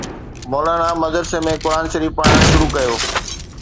مولانا مدرسي ۾ قرآن شريف پڙهائڻ شروع ڪيو